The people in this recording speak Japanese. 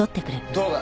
どうだ？